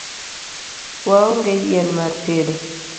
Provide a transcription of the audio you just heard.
Waonge yien mar tedo